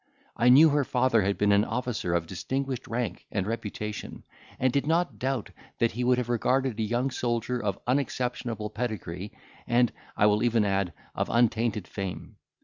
I knew her father had been an officer of distinguished rank and reputation, and did not doubt that he would have regarded a young soldier of unexceptionable pedigree, and, I will even add, of untainted fame.